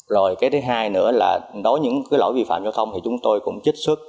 rồi cái thứ hai nữa là đối với những cái lỗi vi phạm giao thông thì chúng tôi cũng chích xuất